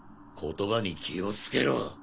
言葉に気を付けろ。